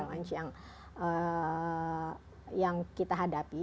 challenge yang kita hadapi